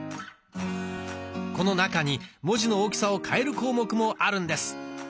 この中に文字の大きさを変える項目もあるんです。